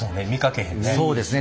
そうですね